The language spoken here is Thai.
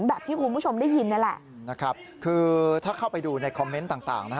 แบบที่คุณผู้ชมได้ยินนี่แหละนะครับคือถ้าเข้าไปดูในคอมเมนต์ต่างต่างนะฮะ